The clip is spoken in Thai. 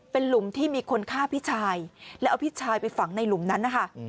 เป็นหลุมที่มีคนฆ่าพี่ชายแล้วเอาพี่ชายไปฝังในหลุมนั้นนะคะ